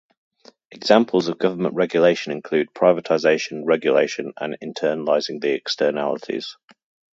Examples of government regulation include privatization, regulation, and internalizing the externalities.